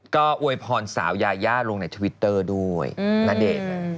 ก็อวยพรสาวยายาลงในทวิตเตอร์ด้วยณเดชน์